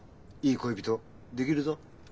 いい恋人出来るぞ。